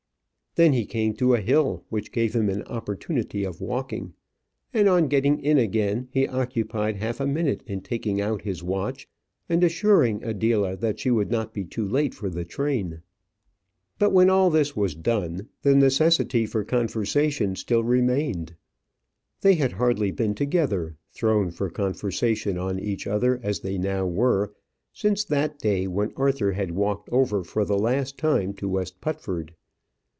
Then he came to a hill which gave him an opportunity of walking; and on getting in again he occupied half a minute in taking out his watch, and assuring Adela that she would not be too late for the train. But when all this was done, the necessity for conversation still remained. They had hardly been together thrown for conversation on each other as they now were since that day when Arthur had walked over for the last time to West Putford.